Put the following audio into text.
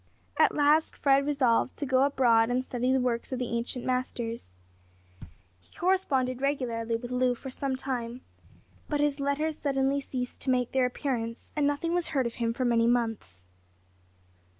At last Fred resolved to go abroad and study the works of the ancient masters. He corresponded regularly with Loo for some time, but his letters suddenly ceased to make their appearance, and nothing was heard of him for many months.